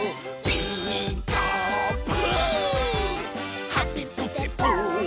「ピーカーブ！」